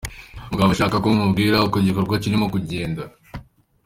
Umugabo aba ashaka ko umubwira uko igikorwa kirimo kugenda.